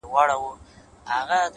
د لمر الکوزي خصوصي ښوونځي او وړکتون